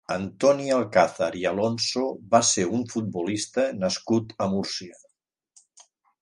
Antoni Alcázar i Alonso va ser un futbolista nascut a Múrcia.